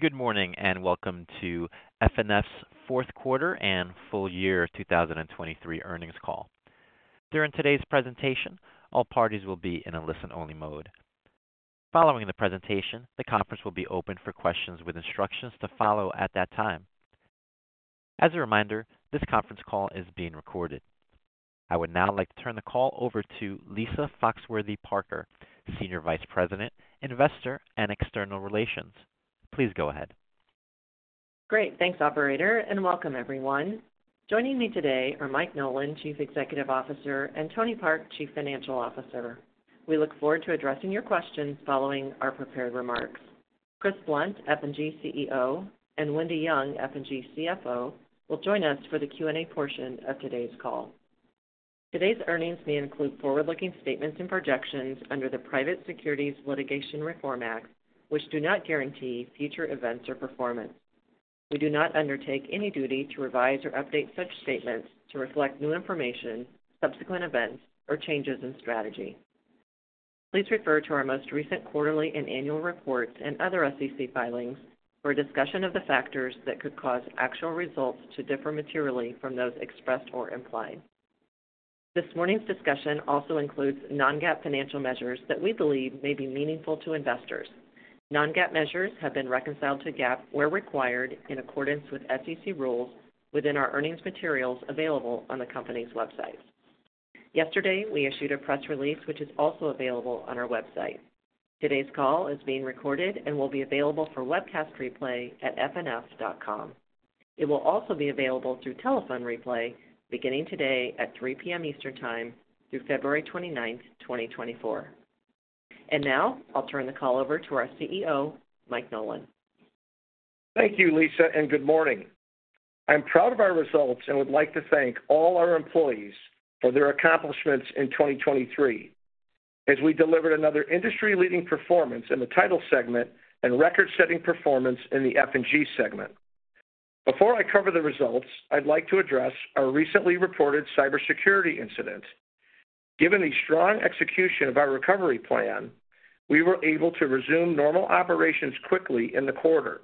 Good morning and welcome to FNF's fourth quarter and full year 2023 earnings call. During today's presentation, all parties will be in a listen-only mode. Following the presentation, the conference will be open for questions with instructions to follow at that time. As a reminder, this conference call is being recorded. I would now like to turn the call over to Lisa Foxworthy-Parker, Senior Vice President, Investor, and External Relations. Please go ahead. Great. Thanks, Operator, and welcome, everyone. Joining me today are Mike Nolan, Chief Executive Officer, and Tony Park, Chief Financial Officer. We look forward to addressing your questions following our prepared remarks. Chris Blunt, F&G CEO, and Wendy Young, F&G CFO, will join us for the Q&A portion of today's call. Today's earnings may include forward-looking statements and projections under the Private Securities Litigation Reform Act, which do not guarantee future events or performance. We do not undertake any duty to revise or update such statements to reflect new information, subsequent events, or changes in strategy. Please refer to our most recent quarterly and annual reports and other SEC filings for a discussion of the factors that could cause actual results to differ materially from those expressed or implied. This morning's discussion also includes non-GAAP financial measures that we believe may be meaningful to investors. Non-GAAP measures have been reconciled to GAAP where required in accordance with SEC rules within our earnings materials available on the company's website. Yesterday, we issued a press release which is also available on our website. Today's call is being recorded and will be available for webcast replay at fnf.com. It will also be available through telephone replay beginning today at 3:00 P.M. Eastern Time through February 29th, 2024. And now I'll turn the call over to our CEO, Mike Nolan. Thank you, Lisa, and good morning. I'm proud of our results and would like to thank all our employees for their accomplishments in 2023 as we delivered another industry-leading performance in the title segment and record-setting performance in the F&G segment. Before I cover the results, I'd like to address our recently reported cybersecurity incident. Given the strong execution of our recovery plan, we were able to resume normal operations quickly in the quarter.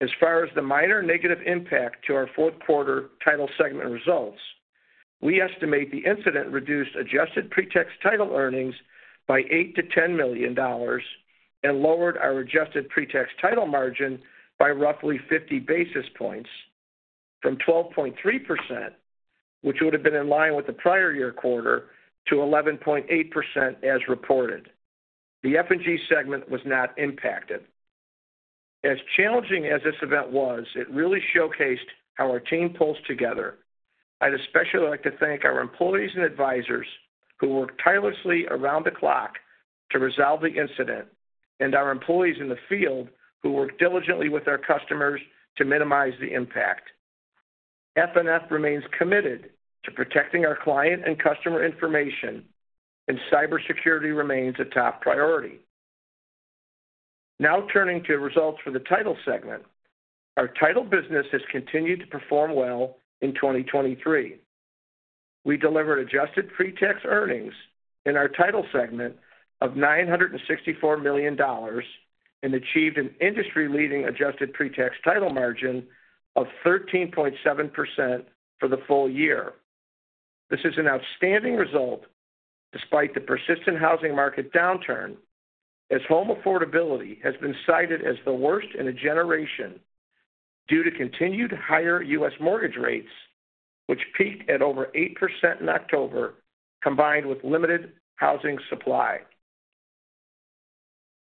As far as the minor negative impact to our fourth quarter title segment results, we estimate the incident reduced adjusted pre-tax title earnings by $8-$10 million and lowered our adjusted pre-tax title margin by roughly 50 basis points from 12.3%, which would have been in line with the prior year quarter, to 11.8% as reported. The F&G segment was not impacted. As challenging as this event was, it really showcased how our team pulls together. I'd especially like to thank our employees and advisors who worked tirelessly around the clock to resolve the incident and our employees in the field who worked diligently with our customers to minimize the impact. FNF remains committed to protecting our client and customer information, and cybersecurity remains a top priority. Now turning to results for the title segment, our title business has continued to perform well in 2023. We delivered adjusted pre-tax earnings in our title segment of $964 million and achieved an industry-leading adjusted pre-tax title margin of 13.7% for the full year. This is an outstanding result despite the persistent housing market downturn as home affordability has been cited as the worst in a generation due to continued higher U.S. mortgage rates, which peaked at over 8% in October, combined with limited housing supply.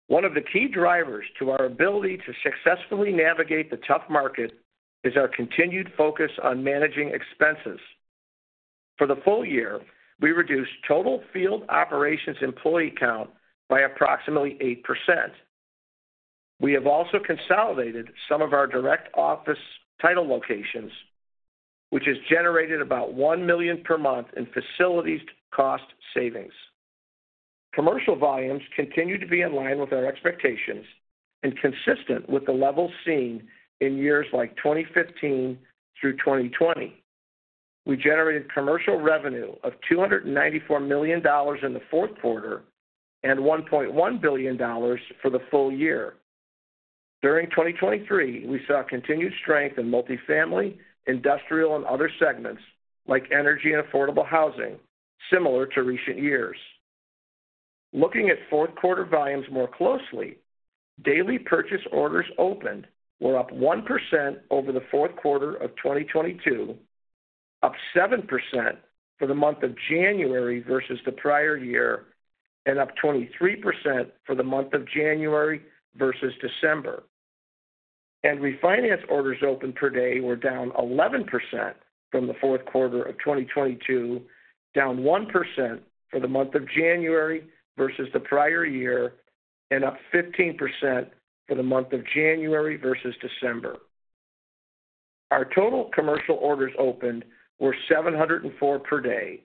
One of the key drivers to our ability to successfully navigate the tough market is our continued focus on managing expenses. For the full year, we reduced total field operations employee count by approximately 8%. We have also consolidated some of our direct office title locations, which has generated about $1 million per month in facilities cost savings. Commercial volumes continue to be in line with our expectations and consistent with the levels seen in years like 2015 through 2020. We generated commercial revenue of $294 million in the fourth quarter and $1.1 billion for the full year. During 2023, we saw continued strength in multifamily, industrial, and other segments like energy and affordable housing, similar to recent years. Looking at fourth quarter volumes more closely, daily purchase orders opened were up 1% over the fourth quarter of 2022, up 7% for the month of January versus the prior year, and up 23% for the month of January versus December. Refinance orders opened per day were down 11% from the fourth quarter of 2022, down 1% for the month of January versus the prior year, and up 15% for the month of January versus December. Our total commercial orders opened were 704 per day,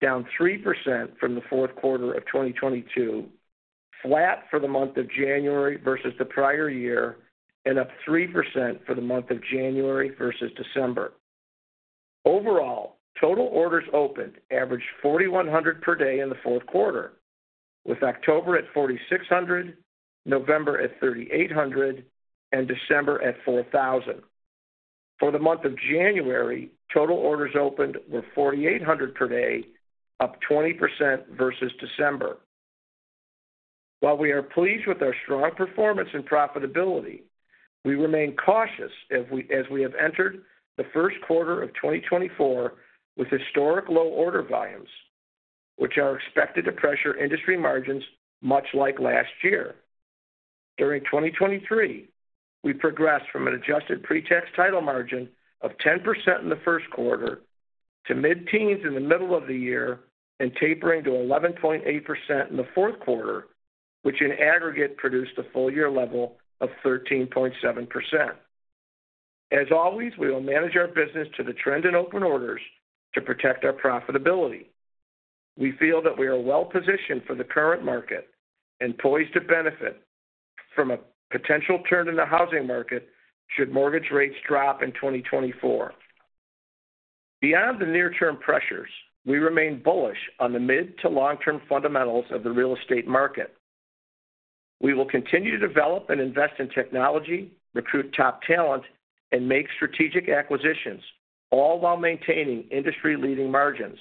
down 3% from the fourth quarter of 2022, flat for the month of January versus the prior year, and up 3% for the month of January versus December. Overall, total orders opened averaged 4,100 per day in the fourth quarter, with October at 4,600, November at 3,800, and December at 4,000. For the month of January, total orders opened were 4,800 per day, up 20% versus December. While we are pleased with our strong performance and profitability, we remain cautious as we have entered the first quarter of 2024 with historic low order volumes, which are expected to pressure industry margins much like last year. During 2023, we progressed from an adjusted pre-tax title margin of 10% in the first quarter to mid-teens in the middle of the year and tapering to 11.8% in the fourth quarter, which in aggregate produced a full-year level of 13.7%. As always, we will manage our business to the trend in open orders to protect our profitability. We feel that we are well-positioned for the current market and poised to benefit from a potential turn in the housing market should mortgage rates drop in 2024. Beyond the near-term pressures, we remain bullish on the mid- to long-term fundamentals of the real estate market. We will continue to develop and invest in technology, recruit top talent, and make strategic acquisitions, all while maintaining industry-leading margins.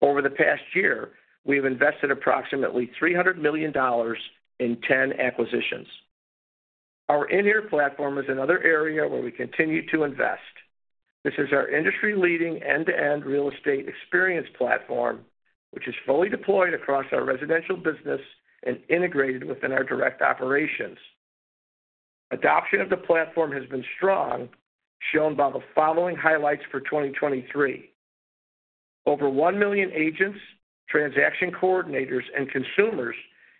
Over the past year, we have invested approximately $300 million in 10 acquisitions. Our inHere platform is another area where we continue to invest. This is our industry-leading end-to-end real estate experience platform, which is fully deployed across our residential business and integrated within our direct operations. Adoption of the platform has been strong, shown by the following highlights for 2023. Over 1 million agents, transaction coordinators, and consumers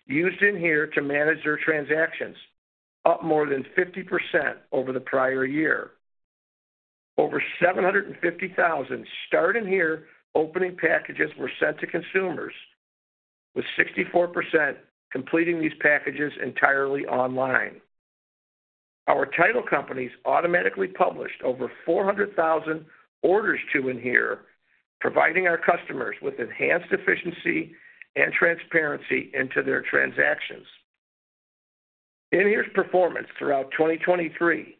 used inHere to manage their transactions, up more than 50% over the prior year. Over 750,000 start inHere opening packages were sent to consumers, with 64% completing these packages entirely online. Our title companies automatically published over 400,000 orders to inHere, providing our customers with enhanced efficiency and transparency into their transactions. inHere's performance throughout 2023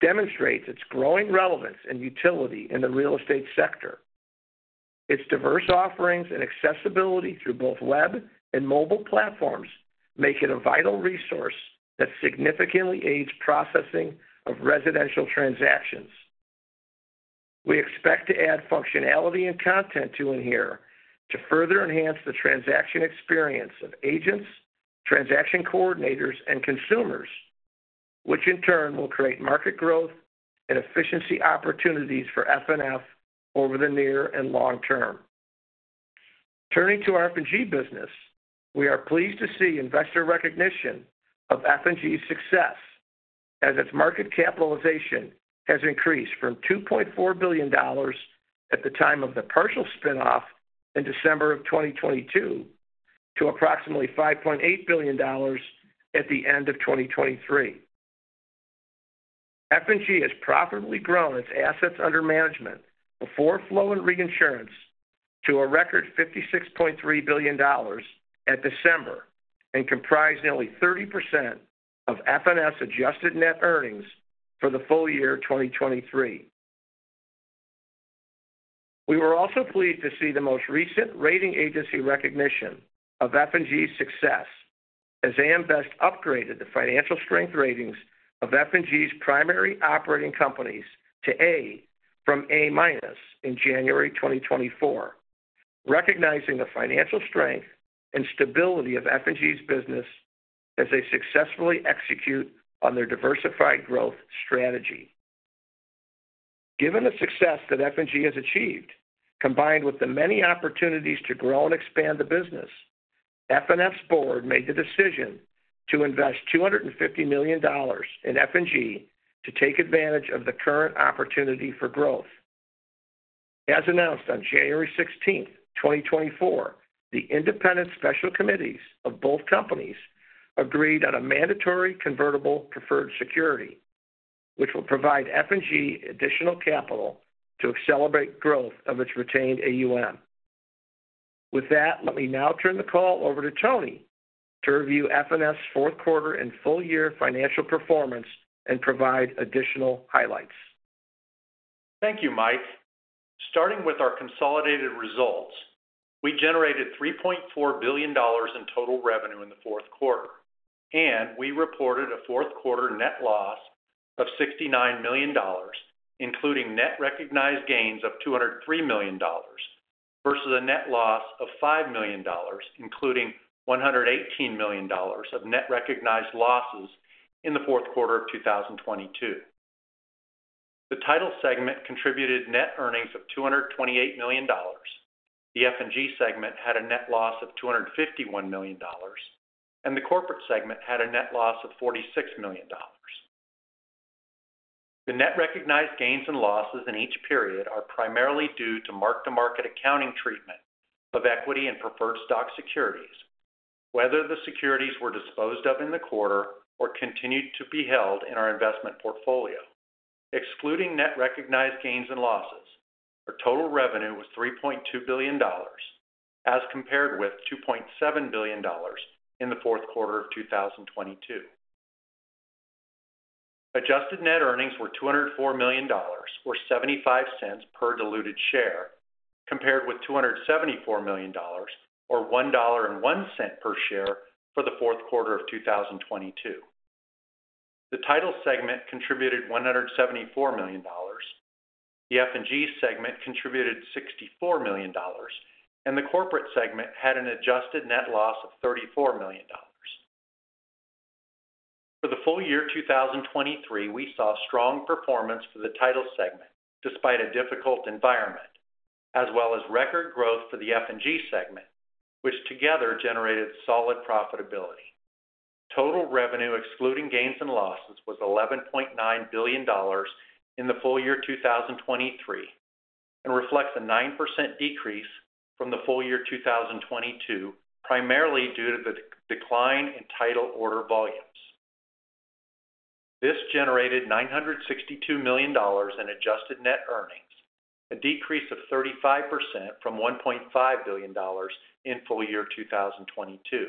demonstrates its growing relevance and utility in the real estate sector. Its diverse offerings and accessibility through both web and mobile platforms make it a vital resource that significantly aids processing of residential transactions. We expect to add functionality and content to inHere to further enhance the transaction experience of agents, transaction coordinators, and consumers, which in turn will create market growth and efficiency opportunities for FNF over the near and long term. Turning to our F&G business, we are pleased to see investor recognition of F&G's success as its market capitalization has increased from $2.4 billion at the time of the partial spinoff in December of 2022 to approximately $5.8 billion at the end of 2023. F&G has profitably grown its assets under management before Flow and Reinsurance to a record $56.3 billion at December and comprised nearly 30% of FNF's adjusted net earnings for the full year 2023. We were also pleased to see the most recent rating agency recognition of F&G's success as AM Best upgraded the financial strength ratings of F&G's primary operating companies to A from A- in January 2024, recognizing the financial strength and stability of F&G's business as they successfully execute on their diversified growth strategy. Given the success that F&G has achieved, combined with the many opportunities to grow and expand the business, FNF's board made the decision to invest $250 million in F&G to take advantage of the current opportunity for growth. As announced on January 16th, 2024, the independent special committees of both companies agreed on a mandatory convertible preferred security, which will provide F&G additional capital to accelerate growth of its retained AUM. With that, let me now turn the call over to Tony to review FNF's fourth quarter and full-year financial performance and provide additional highlights. Thank you, Mike. Starting with our consolidated results, we generated $3.4 billion in total revenue in the fourth quarter, and we reported a fourth quarter net loss of $69 million, including net recognized gains of $203 million versus a net loss of $5 million, including $118 million of net recognized losses in the fourth quarter of 2022. The title segment contributed net earnings of $228 million, the F&G segment had a net loss of $251 million, and the corporate segment had a net loss of $46 million. The net recognized gains and losses in each period are primarily due to mark-to-market accounting treatment of equity and preferred stock securities, whether the securities were disposed of in the quarter or continued to be held in our investment portfolio. Excluding net recognized gains and losses, our total revenue was $3.2 billion as compared with $2.7 billion in the fourth quarter of 2022. Adjusted net earnings were $204 million or $0.75 per diluted share compared with $274 million or $1.01 per share for the fourth quarter of 2022. The title segment contributed $174 million, the F&G segment contributed $64 million, and the corporate segment had an adjusted net loss of $34 million. For the full year 2023, we saw strong performance for the title segment despite a difficult environment, as well as record growth for the F&G segment, which together generated solid profitability. Total revenue excluding gains and losses was $11.9 billion in the full year 2023 and reflects a 9% decrease from the full year 2022, primarily due to the decline in title order volumes. This generated $962 million in adjusted net earnings, a decrease of 35% from $1.5 billion in full year 2022.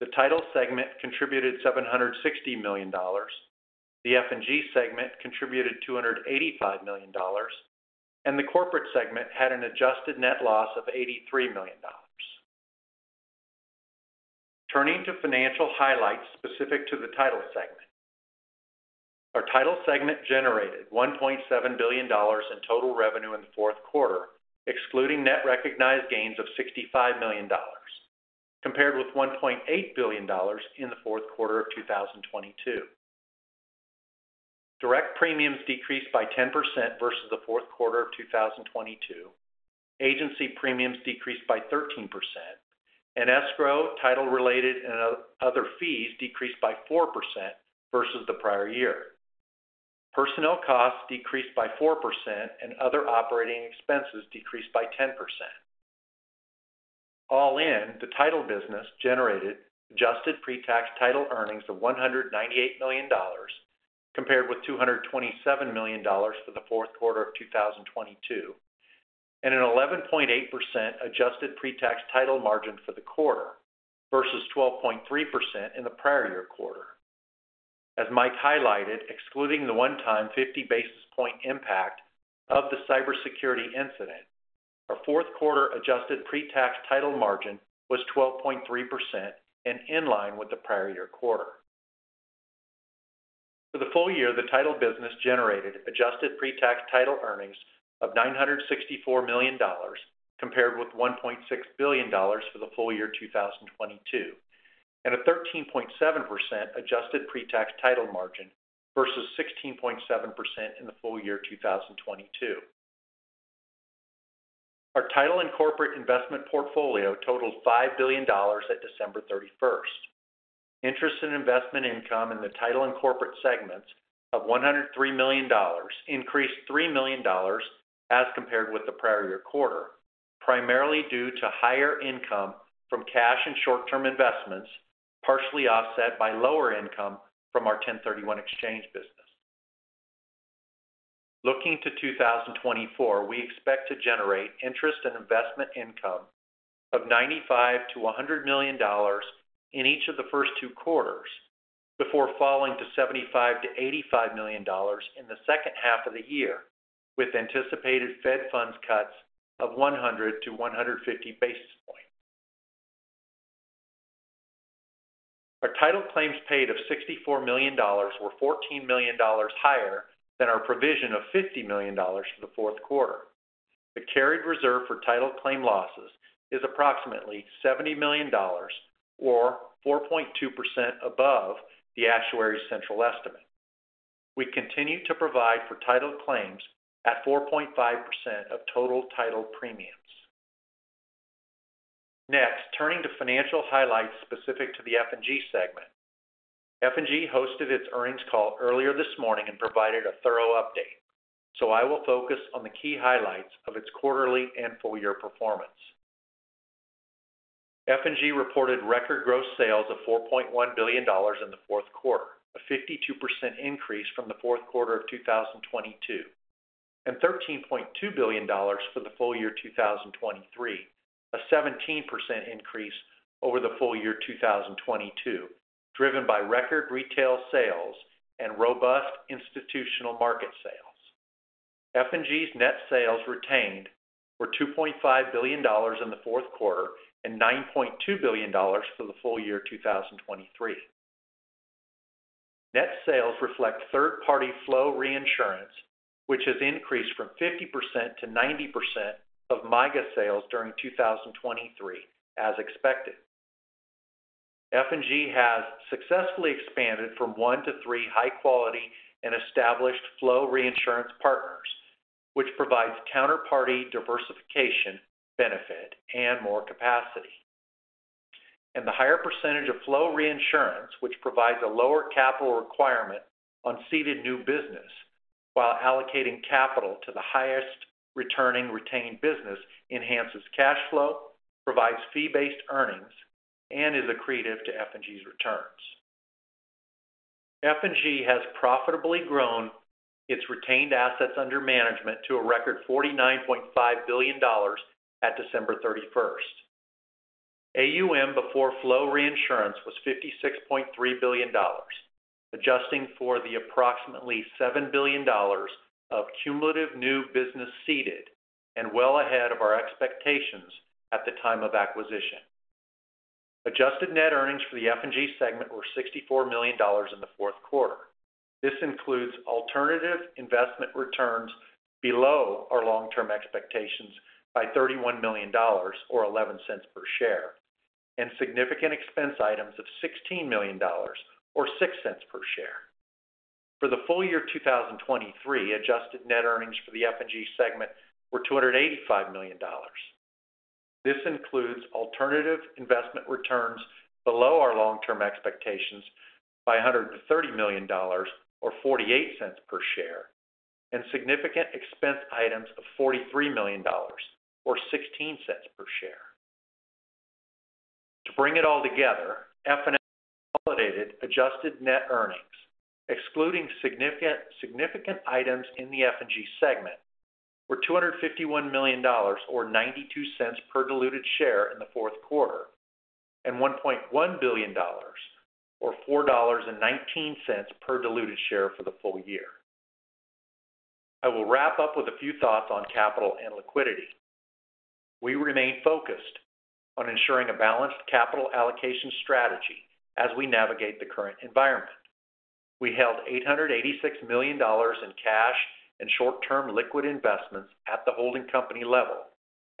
The title segment contributed $760 million, the F&G segment contributed $285 million, and the corporate segment had an adjusted net loss of $83 million. Turning to financial highlights specific to the title segment, our title segment generated $1.7 billion in total revenue in the fourth quarter excluding net recognized gains of $65 million compared with $1.8 billion in the fourth quarter of 2022. Direct premiums decreased by 10% versus the fourth quarter of 2022, agency premiums decreased by 13%, and escrow, title-related, and other fees decreased by 4% versus the prior year. Personnel costs decreased by 4% and other operating expenses decreased by 10%. All in, the title business generated adjusted pre-tax title earnings of $198 million compared with $227 million for the fourth quarter of 2022 and an 11.8% adjusted pre-tax title margin for the quarter versus 12.3% in the prior year quarter. As Mike highlighted, excluding the one-time 50 basis points impact of the cybersecurity incident, our fourth quarter adjusted pre-tax title margin was 12.3% and in line with the prior year quarter. For the full year, the title business generated adjusted pre-tax title earnings of $964 million compared with $1.6 billion for the full year 2022 and a 13.7% adjusted pre-tax title margin versus 16.7% in the full year 2022. Our title and corporate investment portfolio totaled $5 billion at December 31st. Interest in investment income in the title and corporate segments of $103 million increased $3 million as compared with the prior year quarter, primarily due to higher income from cash and short-term investments, partially offset by lower income from our 1031 exchange business. Looking to 2024, we expect to generate interest and investment income of $95-$100 million in each of the first two quarters before falling to $75-$85 million in the second half of the year with anticipated Fed funds cuts of 100-150 basis points. Our title claims paid of $64 million were $14 million higher than our provision of $50 million for the fourth quarter. The carried reserve for title claim losses is approximately $70 million or 4.2% above the actuary's central estimate. We continue to provide for title claims at 4.5% of total title premiums. Next, turning to financial highlights specific to the F&G segment, F&G hosted its earnings call earlier this morning and provided a thorough update. I will focus on the key highlights of its quarterly and full-year performance. F&G reported record growth sales of $4.1 billion in the fourth quarter, a 52% increase from the fourth quarter of 2022, and $13.2 billion for the full year 2023, a 17% increase over the full year 2022 driven by record retail sales and robust institutional market sales. F&G's net sales retained were $2.5 billion in the fourth quarter and $9.2 billion for the full year 2023. Net sales reflect third-party Flow Reinsurance, which has increased from 50% to 90% of MYGA sales during 2023 as expected. F&G has successfully expanded from one to three high-quality and established Flow Reinsurance partners, which provides counterparty diversification benefit and more capacity. The higher percentage of Flow Reinsurance, which provides a lower capital requirement on ceded new business while allocating capital to the highest returning retained business, enhances cash flow, provides fee-based earnings, and is accretive to F&G's returns. F&G has profitably grown its retained assets under management to a record $49.5 billion at December 31st. AUM before Flow Reinsurance was $56.3 billion, adjusting for the approximately $7 billion of cumulative new business seeded and well ahead of our expectations at the time of acquisition. Adjusted net earnings for the F&G segment were $64 million in the fourth quarter. This includes alternative investment returns below our long-term expectations by $31 million or $0.11 per share and significant expense items of $16 million or $0.06 per share. For the full year 2023, adjusted net earnings for the F&G segment were $285 million. This includes alternative investment returns below our long-term expectations by $130 million or $0.48 per share and significant expense items of $43 million or $0.16 per share. To bring it all together, F&G's consolidated adjusted net earnings, excluding significant items in the F&G segment, were $251 million or $0.92 per diluted share in the fourth quarter and $1.1 billion or $4.19 per diluted share for the full year. I will wrap up with a few thoughts on capital and liquidity. We remain focused on ensuring a balanced capital allocation strategy as we navigate the current environment. We held $886 million in cash and short-term liquid investments at the holding company level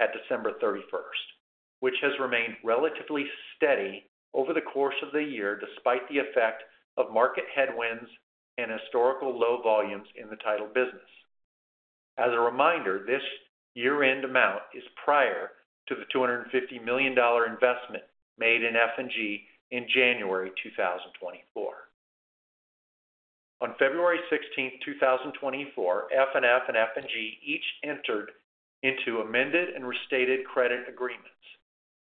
at December 31st, which has remained relatively steady over the course of the year despite the effect of market headwinds and historical low volumes in the title business. As a reminder, this year-end amount is prior to the $250 million investment made in F&G in January 2024. On February 16th, 2024, FNF and F&G each entered into amended and restated credit agreements.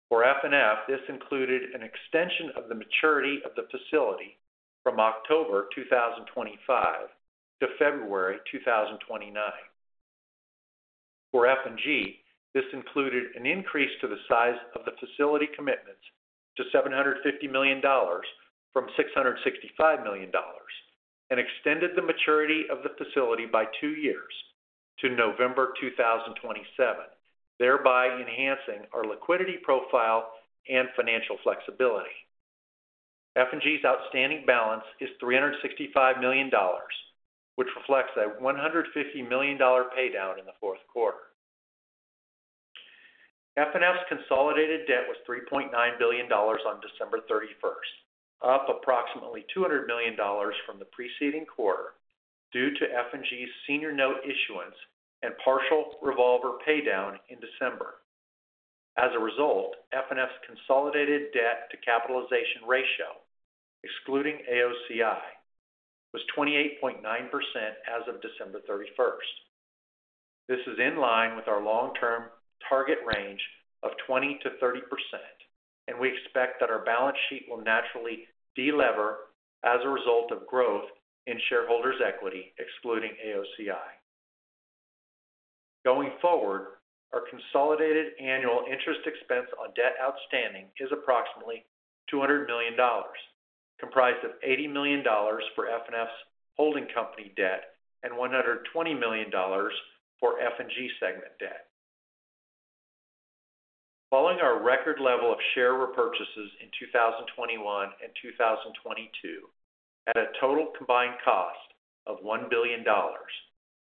For FNF, this included an extension of the maturity of the facility from October 2025 to February 2029. For F&G, this included an increase to the size of the facility commitments to $750 million from $665 million and extended the maturity of the facility by two years to November 2027, thereby enhancing our liquidity profile and financial flexibility. F&G's outstanding balance is $365 million, which reflects a $150 million paydown in the fourth quarter. FNF's consolidated debt was $3.9 billion on December 31st, up approximately $200 million from the preceding quarter due to F&G's senior note issuance and partial revolver paydown in December. As a result, FNF's consolidated debt-to-capitalization ratio, excluding AOCI, was 28.9% as of December 31st. This is in line with our long-term target range of 20%-30%, and we expect that our balance sheet will naturally delever as a result of growth in shareholders' equity, excluding AOCI. Going forward, our consolidated annual interest expense on debt outstanding is approximately $200 million, comprised of $80 million for FNF's holding company debt and $120 million for F&G segment debt. Following our record level of share repurchases in 2021 and 2022 at a total combined cost of $1 billion,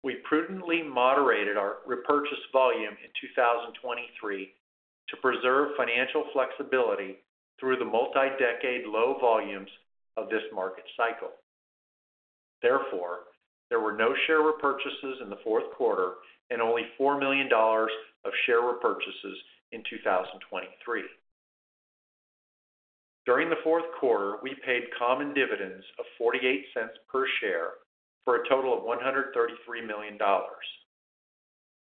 we prudently moderated our repurchase volume in 2023 to preserve financial flexibility through the multi-decade low volumes of this market cycle. Therefore, there were no share repurchases in the fourth quarter and only $4 million of share repurchases in 2023. During the fourth quarter, we paid common dividends of $0.48 per share for a total of $133 million.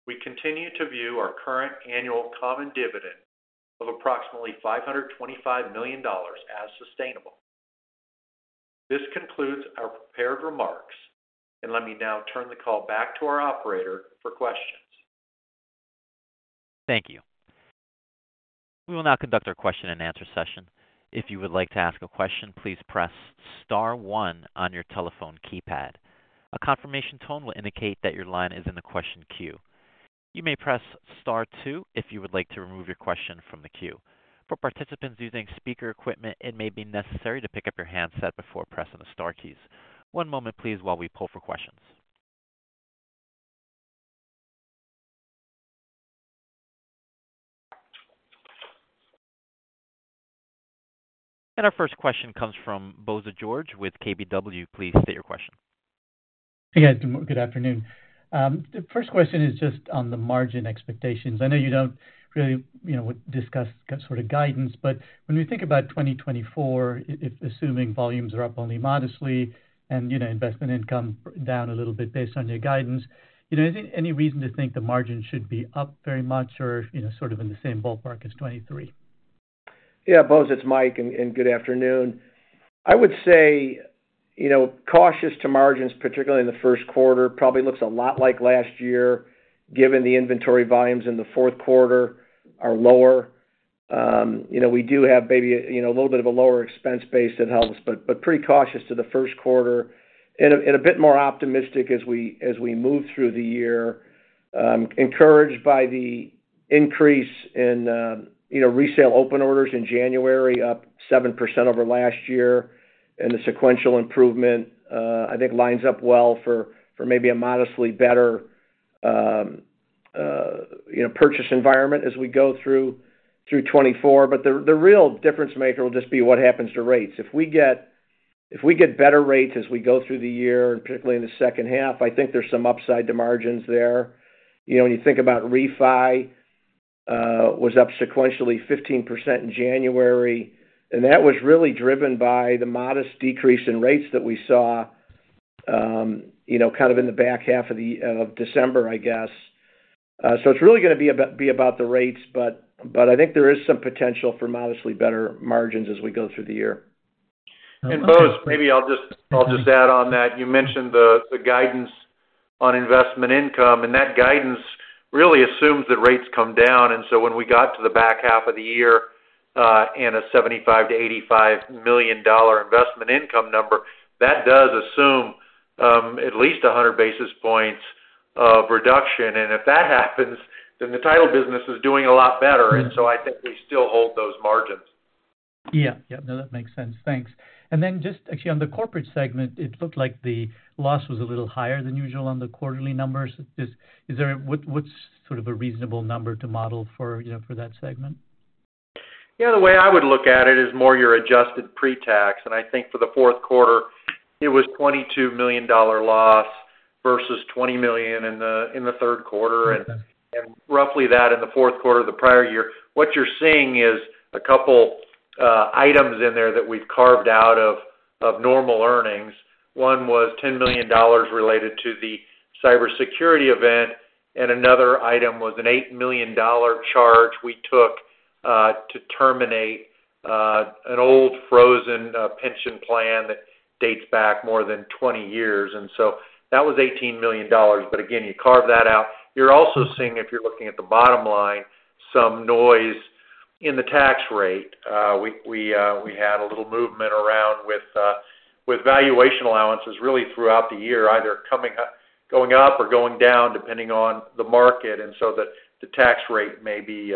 We continue to view our current annual common dividend of approximately $525 million as sustainable. This concludes our prepared remarks, and let me now turn the call back to our operator for questions. Thank you. We will now conduct our question and answer session. If you would like to ask a question, please press star one on your telephone keypad. A confirmation tone will indicate that your line is in the question queue. You may press star two if you would like to remove your question from the queue. For participants using speaker equipment, it may be necessary to pick up your handset before pressing the star keys. One moment, please, while we pull for questions. And our first question comes from Bose George with KBW. Please state your question. Hey guys, good afternoon. The first question is just on the margin expectations. I know you don't really discuss sort of guidance, but when we think about 2024, assuming volumes are up only modestly and investment income down a little bit based on your guidance, is there any reason to think the margin should be up very much or sort of in the same ballpark as 2023? Yeah, Bose, it's Mike and good afternoon. I would say cautious to margins, particularly in the first quarter. Probably looks a lot like last year given the inventory volumes in the fourth quarter are lower. We do have maybe a little bit of a lower expense base that helps, but pretty cautious to the first quarter. A bit more optimistic as we move through the year. Encouraged by the increase in resale open orders in January, up 7% over last year, and the sequential improvement, I think lines up well for maybe a modestly better purchase environment as we go through 2024. The real difference maker will just be what happens to rates. If we get better rates as we go through the year, particularly in the second half, I think there's some upside to margins there. When you think about REFI, it was up sequentially 15% in January, and that was really driven by the modest decrease in rates that we saw kind of in the back half of December, I guess. So it's really going to be about the rates, but I think there is some potential for modestly better margins as we go through the year. Bose, maybe I'll just add on that. You mentioned the guidance on investment income, and that guidance really assumes that rates come down. So when we got to the back half of the year and a $75 million-$85 million investment income number, that does assume at least 100 basis points of reduction. And if that happens, then the title business is doing a lot better. So I think we still hold those margins. Yeah. Yeah. No, that makes sense. Thanks. And then just actually on the corporate segment, it looked like the loss was a little higher than usual on the quarterly numbers. What's sort of a reasonable number to model for that segment? Yeah, the way I would look at it is more your adjusted pre-tax. And I think for the fourth quarter, it was $22 million loss versus $20 million in the third quarter. And roughly that in the fourth quarter of the prior year. What you're seeing is a couple items in there that we've carved out of normal earnings. One was $10 million related to the cybersecurity event, and another item was an $8 million charge we took to terminate an old frozen pension plan that dates back more than 20 years. And so that was $18 million, but again, you carve that out. You're also seeing, if you're looking at the bottom line, some noise in the tax rate. We had a little movement around with valuation allowances really throughout the year, either going up or going down depending on the market. The tax rate may be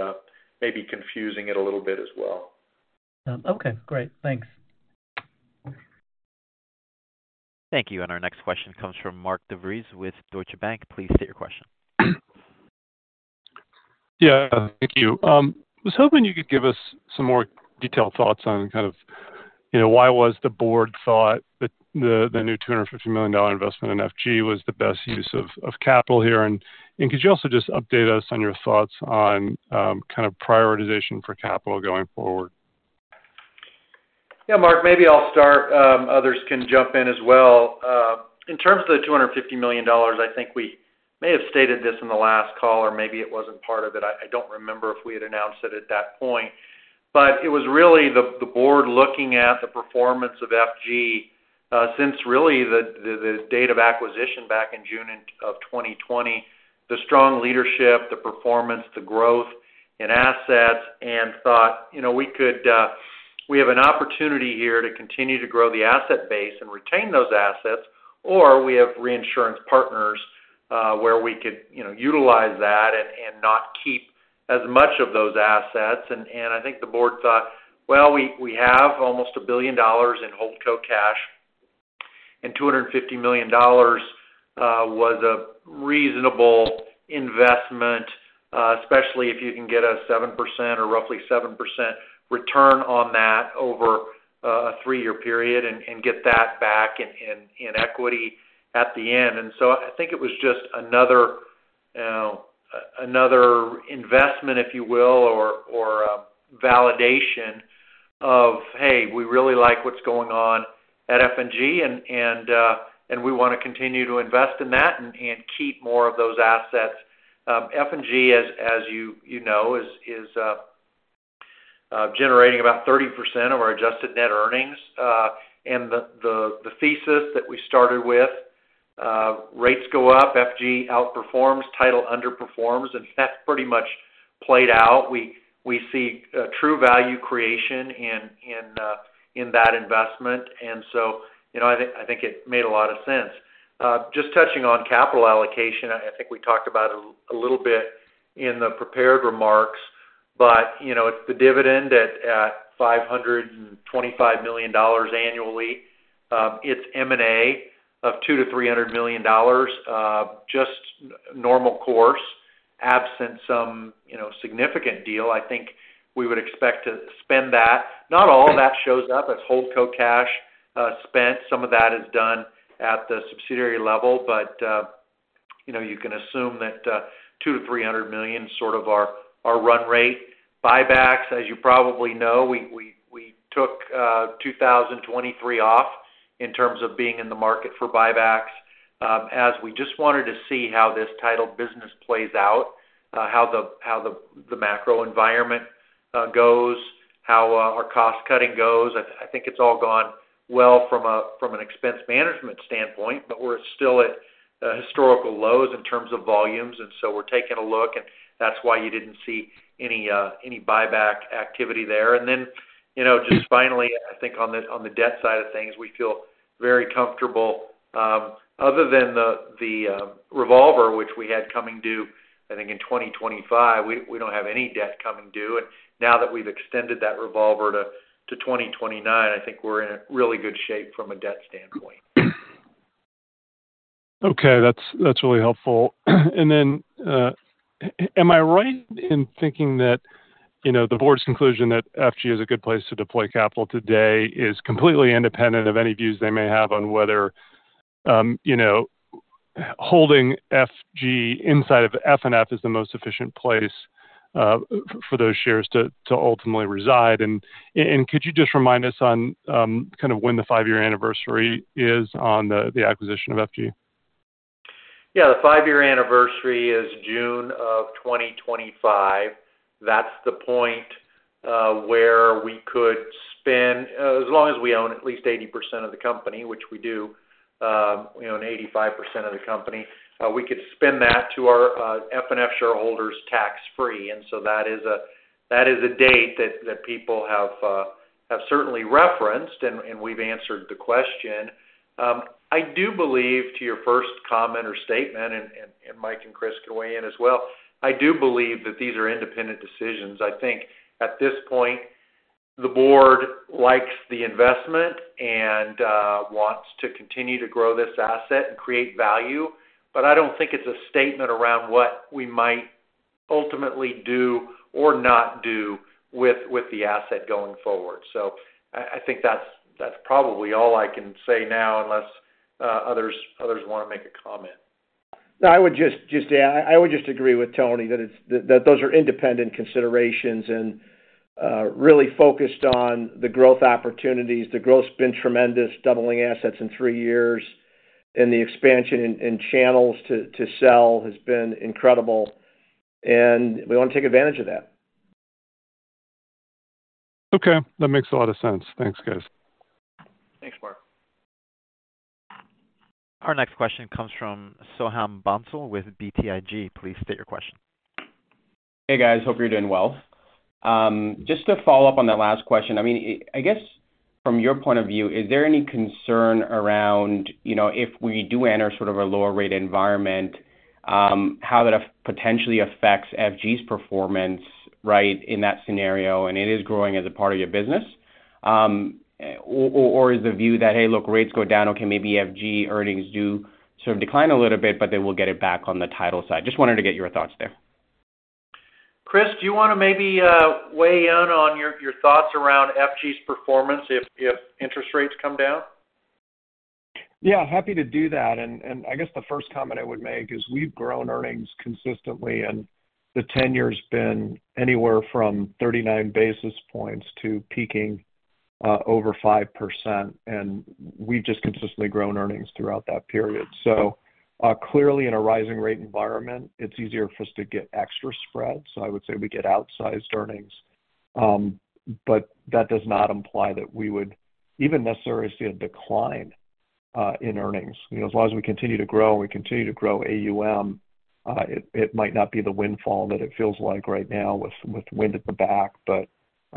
confusing it a little bit as well. Okay. Great. Thanks. Thank you. Our next question comes from Mark DeVries with Deutsche Bank. Please state your question. Yeah. Thank you. I was hoping you could give us some more detailed thoughts on kind of why was the board thought the new $250 million investment in F&G was the best use of capital here? And could you also just update us on your thoughts on kind of prioritization for capital going forward? Yeah, Mark, maybe I'll start. Others can jump in as well. In terms of the $250 million, I think we may have stated this in the last call or maybe it wasn't part of it. I don't remember if we had announced it at that point. But it was really the board looking at the performance of F&G since really the date of acquisition back in June of 2020, the strong leadership, the performance, the growth in assets, and thought we have an opportunity here to continue to grow the asset base and retain those assets, or we have reinsurance partners where we could utilize that and not keep as much of those assets. I think the board thought, "Well, we have almost $1 billion in HoldCo cash, and $250 million was a reasonable investment, especially if you can get a 7% or roughly 7% return on that over a three-year period and get that back in equity at the end." So I think it was just another investment, if you will, or validation of, "Hey, we really like what's going on at F&G, and we want to continue to invest in that and keep more of those assets." F&G, as you know, is generating about 30% of our adjusted net earnings. The thesis that we started with, "Rates go up, F&G outperforms, title underperforms," and that's pretty much played out. We see true value creation in that investment. So I think it made a lot of sense. Just touching on capital allocation, I think we talked about it a little bit in the prepared remarks, but it's the dividend at $525 million annually. It's M&A of $200-$300 million, just normal course, absent some significant deal. I think we would expect to spend that. Not all of that shows up as HoldCo cash spent. Some of that is done at the subsidiary level, but you can assume that $200-$300 million sort of our run rate. Buybacks, as you probably know, we took 2023 off in terms of being in the market for buybacks as we just wanted to see how this title business plays out, how the macro environment goes, how our cost-cutting goes. I think it's all gone well from an expense management standpoint, but we're still at historical lows in terms of volumes. And so we're taking a look, and that's why you didn't see any buyback activity there. And then just finally, I think on the debt side of things, we feel very comfortable. Other than the revolver, which we had coming due, I think in 2025, we don't have any debt coming due. And now that we've extended that revolver to 2029, I think we're in really good shape from a debt standpoint. Okay. That's really helpful. And then am I right in thinking that the board's conclusion that F&G is a good place to deploy capital today is completely independent of any views they may have on whether holding F&G inside of FNF is the most efficient place for those shares to ultimately reside? And could you just remind us on kind of when the five-year anniversary is on the acquisition of F&G? Yeah, the five-year anniversary is June of 2025. That's the point where we could spin as long as we own at least 80% of the company, which we do, and 85% of the company, we could spin that to our FNF shareholders tax-free. And so that is a date that people have certainly referenced, and we've answered the question. I do believe, to your first comment or statement, and Mike and Chris can weigh in as well, I do believe that these are independent decisions. I think at this point, the board likes the investment and wants to continue to grow this asset and create value, but I don't think it's a statement around what we might ultimately do or not do with the asset going forward. So I think that's probably all I can say now unless others want to make a comment. No, I would just agree with Tony that those are independent considerations and really focused on the growth opportunities. The growth's been tremendous, doubling assets in three years, and the expansion in channels to sell has been incredible. We want to take advantage of that. Okay. That makes a lot of sense. Thanks, guys. Thanks, Mark. Our next question comes from Soham Bhonsle with BTIG. Please state your question. Hey guys. Hope you're doing well. Just to follow up on that last question, I mean, I guess from your point of view, is there any concern around if we do enter sort of a lower-rate environment, how that potentially affects F&G's performance, right, in that scenario? And it is growing as a part of your business, or is the view that, "Hey, look, rates go down. Okay, maybe F&G earnings do sort of decline a little bit, but they will get it back on the title side"? Just wanted to get your thoughts there. Chris, do you want to maybe weigh in on your thoughts around F&G's performance if interest rates come down? Yeah, happy to do that. I guess the first comment I would make is we've grown earnings consistently, and the 10-year's been anywhere from 39 basis points to peaking over 5%. We've just consistently grown earnings throughout that period. Clearly, in a rising-rate environment, it's easier for us to get extra spread. I would say we get outsized earnings, but that does not imply that we would even necessarily see a decline in earnings. As long as we continue to grow and we continue to grow AUM, it might not be the windfall that it feels like right now with wind at the back.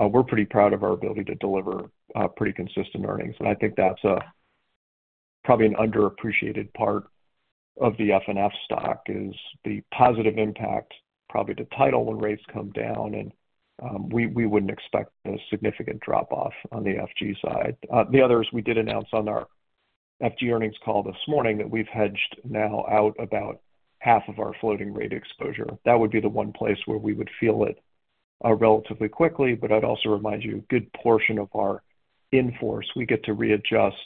We're pretty proud of our ability to deliver pretty consistent earnings. I think that's probably an underappreciated part of the FNF stock is the positive impact probably to title when rates come down. We wouldn't expect a significant drop-off on the FG side. The others we did announce on our FG earnings call this morning that we've hedged now out about half of our floating-rate exposure. That would be the one place where we would feel it relatively quickly. I'd also remind you, a good portion of our in-force, we get to readjust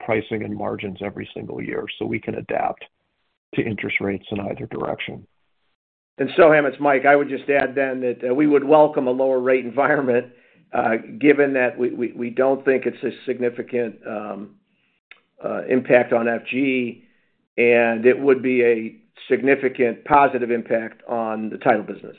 pricing and margins every single year so we can adapt to interest rates in either direction. Soham, it's Mike. I would just add then that we would welcome a lower-rate environment given that we don't think it's a significant impact on F&G, and it would be a significant positive impact on the title business.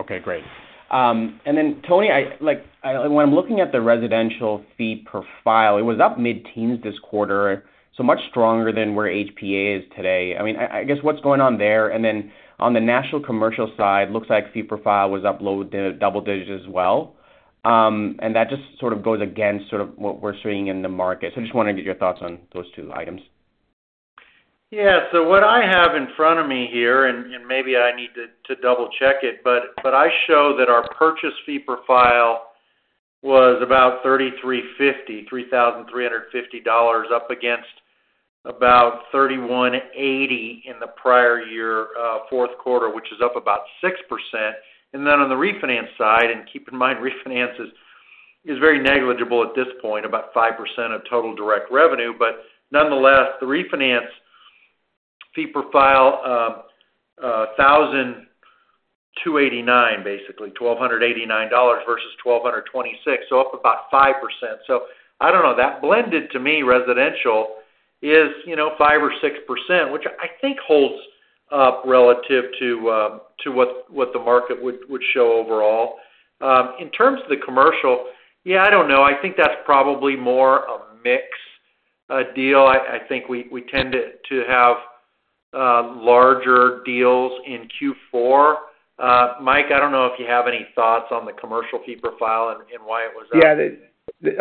Okay. Great. And then Tony, when I'm looking at the residential fee profile, it was up mid-teens this quarter, so much stronger than where HPA is today. I mean, I guess what's going on there? And then on the national commercial side, it looks like fee profile was up low to double digits as well. And that just sort of goes against sort of what we're seeing in the market. So I just wanted to get your thoughts on those two items. Yeah. So what I have in front of me here, and maybe I need to double-check it, but I show that our purchase fee profile was about $3,350, $3,350 up against about $3,180 in the prior year fourth quarter, which is up about 6%. And then on the refinance side, and keep in mind refinance is very negligible at this point, about 5% of total direct revenue. But nonetheless, the refinance fee profile, $1,289 basically, $1,289 versus $1,226, so up about 5%. So I don't know. That blended to me, residential, is 5 or 6%, which I think holds up relative to what the market would show overall. In terms of the commercial, yeah, I don't know. I think that's probably more a mix deal. I think we tend to have larger deals in Q4. Mike, I don't know if you have any thoughts on the commercial fee profile and why it was up. Yeah.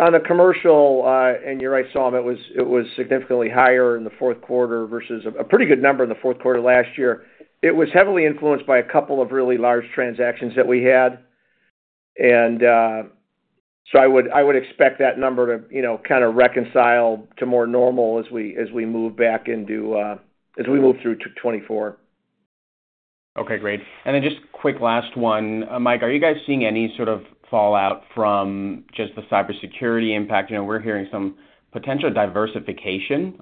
On the commercial, and you're right, Soham, it was significantly higher in the fourth quarter versus a pretty good number in the fourth quarter last year. It was heavily influenced by a couple of really large transactions that we had. And so I would expect that number to kind of reconcile to more normal as we move through 2024. Okay. Great. And then just quick last one, Mike, are you guys seeing any sort of fallout from just the cybersecurity impact? We're hearing some potential diversification.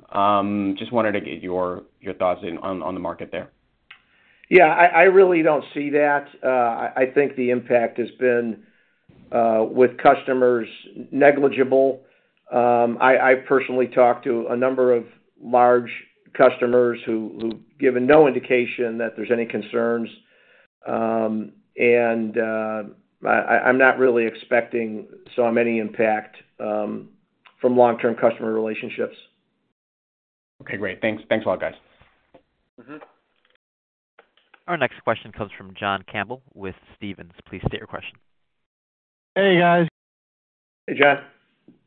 Just wanted to get your thoughts on the market there. Yeah. I really don't see that. I think the impact has been with customers negligible. I personally talked to a number of large customers who've given no indication that there's any concerns. I'm not really expecting so many impact from long-term customer relationships. Okay. Great. Thanks. Thanks a lot, guys. Our next question comes from John Campbell with Stephens. Please state your question. Hey, guys. Hey, John.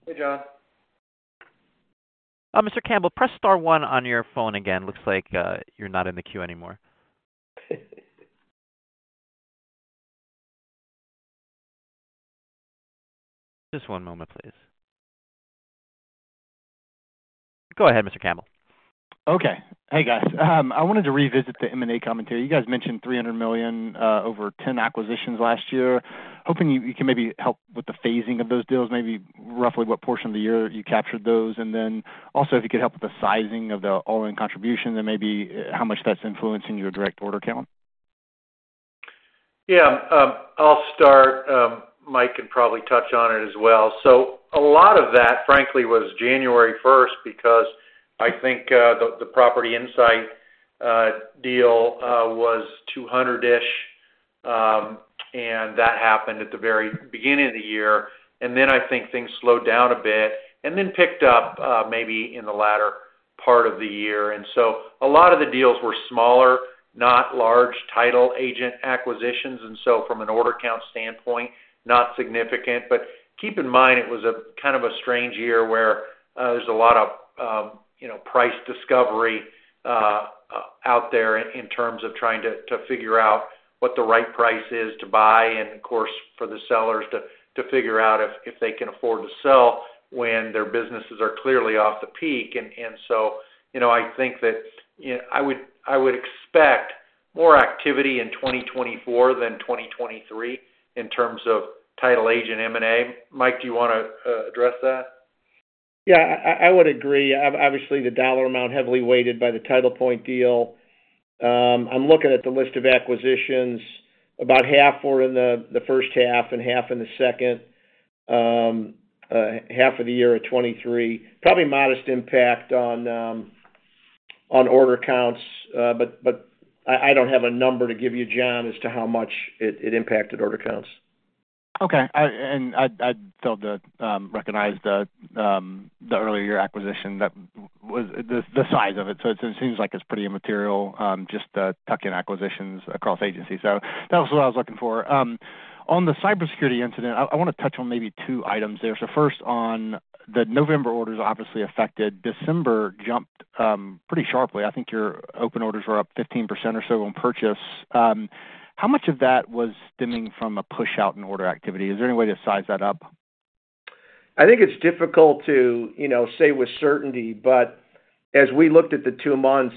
Hey, John. Mr. Campbell, press star one on your phone again. Looks like you're not in the queue anymore. Just one moment, please. Go ahead, Mr. Campbell. Okay. Hey, guys. I wanted to revisit the M&A commentary. You guys mentioned $300 million over 10 acquisitions last year. Hoping you can maybe help with the phasing of those deals, maybe roughly what portion of the year you captured those. And then also, if you could help with the sizing of the all-in contribution and maybe how much that's influencing your direct order count? Yeah. I'll start. Mike can probably touch on it as well. So a lot of that, frankly, was January 1st because I think the Property Insight deal was $200-ish, and that happened at the very beginning of the year. And then I think things slowed down a bit and then picked up maybe in the latter part of the year. And so a lot of the deals were smaller, not large title agent acquisitions. And so from an order count standpoint, not significant. But keep in mind, it was kind of a strange year where there's a lot of price discovery out there in terms of trying to figure out what the right price is to buy and, of course, for the sellers to figure out if they can afford to sell when their businesses are clearly off the peak. And so I think that I would expect more activity in 2024 than 2023 in terms of title agent M&A. Mike, do you want to address that? Yeah. I would agree. Obviously, the dollar amount heavily weighted by the TitlePoint deal. I'm looking at the list of acquisitions. About half were in the first half and half in the second half of the year of 2023. Probably modest impact on order counts, but I don't have a number to give you, John, as to how much it impacted order counts. Okay. I'd still recognize the earlier year acquisition, the size of it. So it seems like it's pretty immaterial, just tucking acquisitions across agencies. So that was what I was looking for. On the cybersecurity incident, I want to touch on maybe two items there. So first, on the November orders, obviously affected. December jumped pretty sharply. I think your open orders were up 15% or so on purchase. How much of that was stemming from a push-out in order activity? Is there any way to size that up? I think it's difficult to say with certainty. But as we looked at the two months,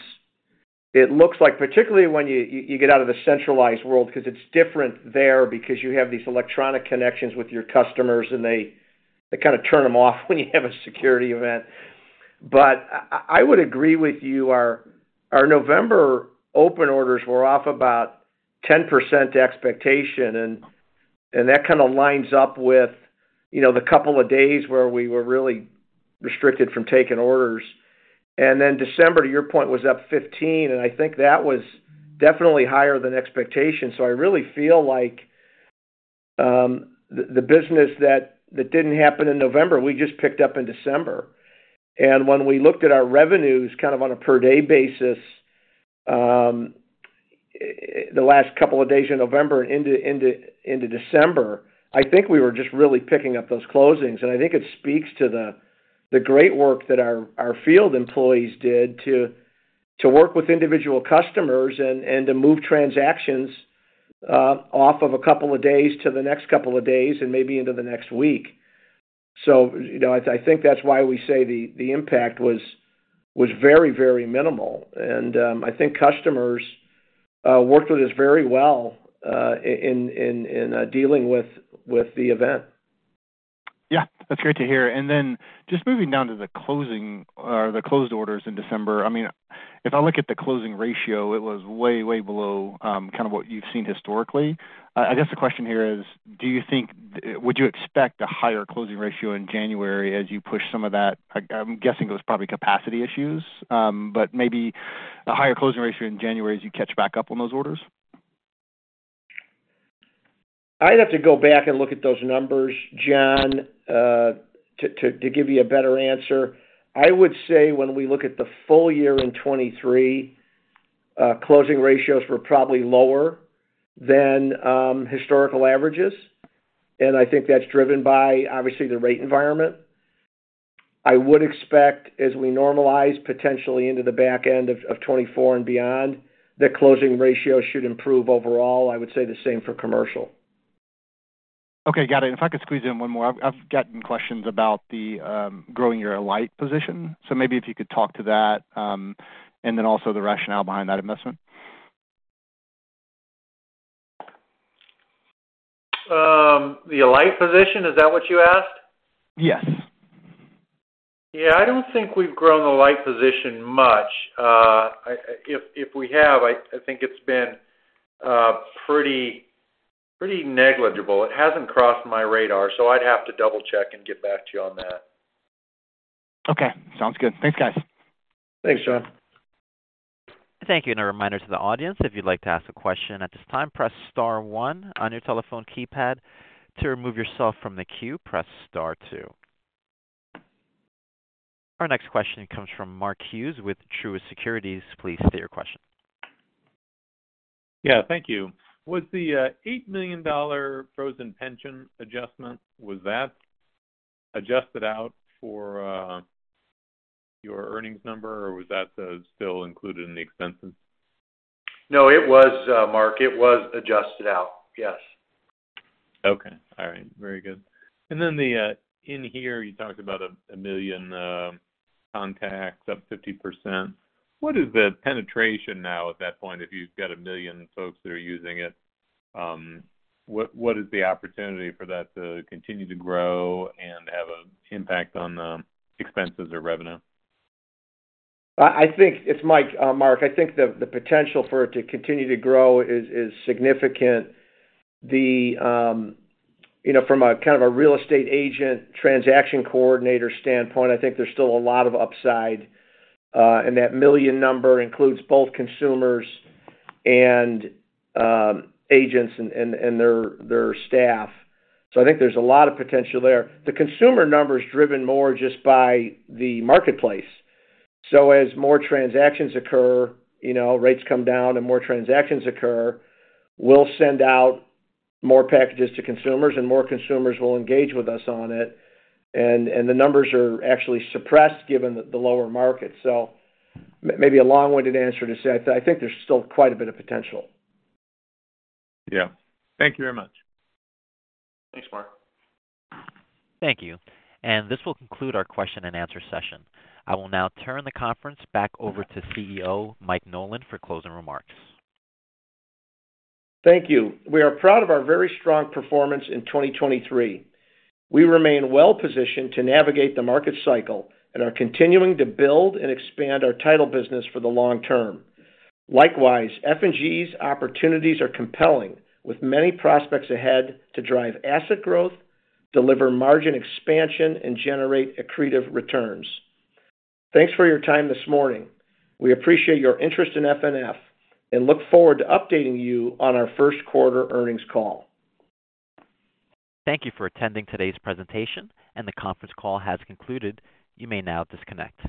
it looks like particularly when you get out of the centralized world because it's different there because you have these electronic connections with your customers, and they kind of turn them off when you have a security event. But I would agree with you. Our November open orders were off about 10% expectation, and that kind of lines up with the couple of days where we were really restricted from taking orders. And then December, to your point, was up 15%, and I think that was definitely higher than expectation. So I really feel like the business that didn't happen in November, we just picked up in December. And when we looked at our revenues kind of on a per-day basis, the last couple of days in November and into December, I think we were just really picking up those closings. And I think it speaks to the great work that our field employees did to work with individual customers and to move transactions off of a couple of days to the next couple of days and maybe into the next week. So I think that's why we say the impact was very, very minimal. And I think customers worked with us very well in dealing with the event. Yeah. That's great to hear. And then just moving down to the closing or the closed orders in December, I mean, if I look at the closing ratio, it was way, way below kind of what you've seen historically. I guess the question here is, would you expect a higher closing ratio in January as you push some of that? I'm guessing it was probably capacity issues, but maybe a higher closing ratio in January as you catch back up on those orders? I'd have to go back and look at those numbers, John, to give you a better answer. I would say when we look at the full year in 2023, closing ratios were probably lower than historical averages. I think that's driven by, obviously, the rate environment. I would expect, as we normalize potentially into the back end of 2024 and beyond, that closing ratio should improve overall. I would say the same for commercial. Okay. Got it. If I could squeeze in one more, I've gotten questions about the growing your Alight position. Maybe if you could talk to that and then also the rationale behind that investment. The Alight position, is that what you asked? Yes. Yeah. I don't think we've grown the Alight position much. If we have, I think it's been pretty negligible. It hasn't crossed my radar, so I'd have to double-check and get back to you on that. Okay. Sounds good. Thanks, guys. Thanks, John. Thank you. A reminder to the audience, if you'd like to ask a question at this time, press star one on your telephone keypad. To remove yourself from the queue, press star two. Our next question comes from Mark Hughes with Truist Securities. Please state your question. Yeah. Thank you. Was the $8 million frozen pension adjustment, was that adjusted out for your earnings number, or was that still included in the expenses? No, it was, Mark. It was adjusted out. Yes. Okay. All right. Very good. And then inHere, you talked about 1 million contacts, up 50%. What is the penetration now at that point? If you've got 1 million folks that are using it, what is the opportunity for that to continue to grow and have an impact on expenses or revenue? It's Mike. Mark, I think the potential for it to continue to grow is significant. From kind of a real estate agent transaction coordinator standpoint, I think there's still a lot of upside. And that million number includes both consumers and agents and their staff. So I think there's a lot of potential there. The consumer number is driven more just by the marketplace. So as more transactions occur, rates come down, and more transactions occur, we'll send out more packages to consumers, and more consumers will engage with us on it. And the numbers are actually suppressed given the lower market. So maybe a long-winded answer to say, I think there's still quite a bit of potential. Yeah. Thank you very much. Thanks, Mark. Thank you. And this will conclude our question-and-answer session. I will now turn the conference back over to CEO Mike Nolan for closing remarks. Thank you. We are proud of our very strong performance in 2023. We remain well-positioned to navigate the market cycle and are continuing to build and expand our title business for the long term. Likewise, F&G's opportunities are compelling, with many prospects ahead to drive asset growth, deliver margin expansion, and generate accretive returns. Thanks for your time this morning. We appreciate your interest in FNF and look forward to updating you on our first quarter earnings call. Thank you for attending today's presentation. The conference call has concluded. You may now disconnect.